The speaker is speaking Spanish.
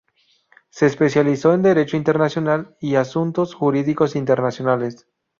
Se especializó en Derecho Internacional y asuntos jurídicos internacionales.